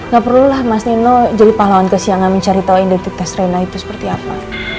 gak perlulah mas nino jadi pahlawan kesiangan mencari tahu identitas rena itu seperti apa